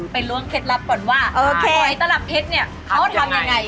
ไปล้วงเคล็ดลับก่อนว่าหอยตลับเพชรเขาจะทำยังไง